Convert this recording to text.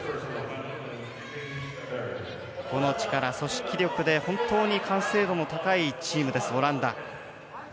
個の力、組織力で本当に完成度の高いチームです、オランダ。